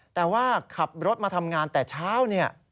แต่ว่าขับรถมาทำงานแต่เช้าเนี่ย